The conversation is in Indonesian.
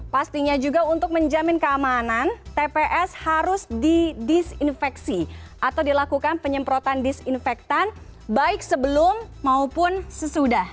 pastinya juga untuk menjamin keamanan tps harus didisinfeksi atau dilakukan penyemprotan disinfektan baik sebelum maupun sesudah